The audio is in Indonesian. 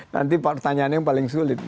nanti pertanyaannya yang paling sulit